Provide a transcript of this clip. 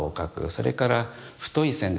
それから太い線でですね